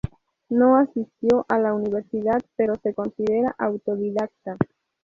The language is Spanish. No asistió a la universidad pero se considera autodidacta.